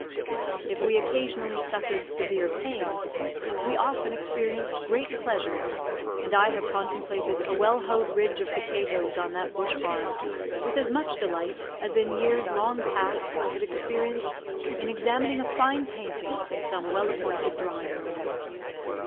If we occasionally suffered severe pain, we as often experienced great pleasure, and I have contemplated a well hoed ridge of potatoes on that bush farm, with as much delight as in years long past I had experienced in examining a fine painting in some well appointed drawing room.